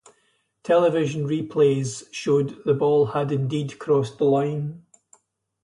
Television replays showed the ball had indeed crossed the line.